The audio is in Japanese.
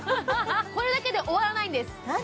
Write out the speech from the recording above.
これだけで終わらないんです何？